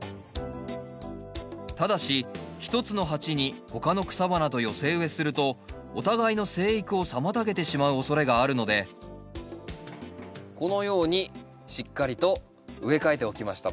ただし一つの鉢に他の草花と寄せ植えするとお互いの生育を妨げてしまうおそれがあるのでこのようにしっかりと植え替えておきましたバラ。